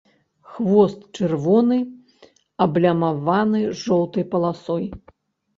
Хвост чырвоны, аблямаваны жоўтай паласой.